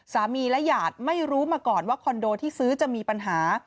สามีและหยาดไม่รู้มาก่อนว่าคอนโดที่ซื้อจะมีปัญหา